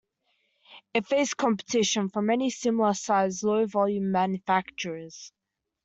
It faced competition from many similar-sized low-volume manufacturers.